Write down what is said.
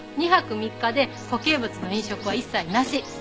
２泊３日で固形物の飲食は一切なし。